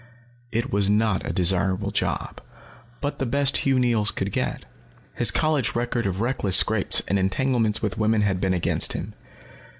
It was not a desirable job, but the best Hugh Neils could get. His college record of reckless scrapes and entanglements with women had been against him.